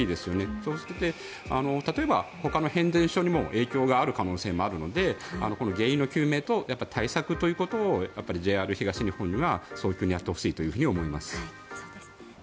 そして、例えばほかの変電所にも影響がある可能性もあるのでこの原因の究明と対策をＪＲ東日本には早急にやってほしいと思います。